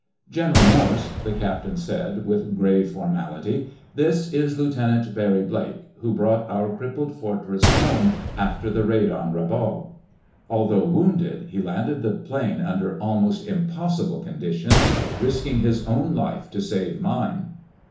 "General Morse," the captain said with grave formality, "this is Lieutenant Barry Blake, who brought our crippled Fortress home after the raid on Rabaul. Although wounded, he landed the plane under almost impossible conditions, risking his own life to save mine!"